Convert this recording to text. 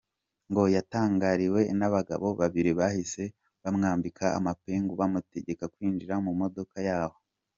Ngo yatangiriwe n’abagabo babiri bahise bamwambika amapingu bamutegeka kwinjira mu modoka yabo.